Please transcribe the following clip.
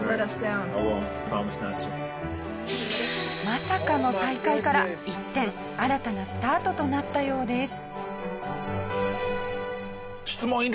まさかの再会から一転新たなスタートとなったようです。